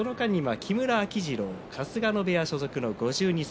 木村秋治郎春日野部屋所属の５２歳。